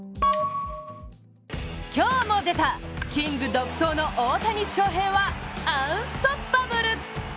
今日も出た、キング独走の大谷翔平はアンストッパブル。